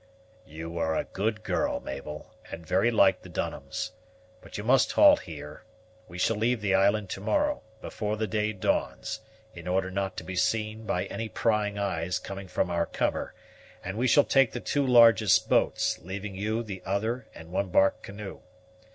"You are a good girl, Mabel, and very like the Dunhams. But you must halt here. We shall leave the island to morrow, before the day dawns, in order not to be seen by any prying eyes coming from our cover, and we shall take the two largest boats, leaving you the other and one bark canoe.